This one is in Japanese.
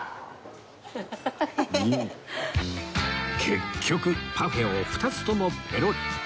結局パフェを２つともペロリ！